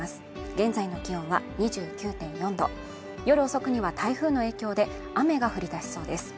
現在の気温は２９．４度夜遅くには台風の影響で雨が降り出しそうです